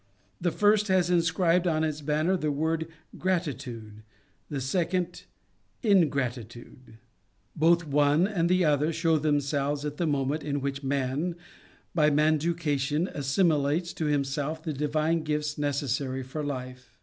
The first has inscribed on its banner the word "Gratitude ;" the second, "Ingratitude." Both one and the other show themselves at the moment in which man, by manducation, assimilates to himself the divine gifts necessary for life.